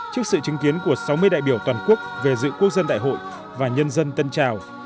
trước sự chứng kiến của sáu mươi đại biểu toàn quốc về dự quốc dân đại hội và nhân dân tân trào